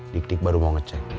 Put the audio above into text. dik dik baru mau ngecek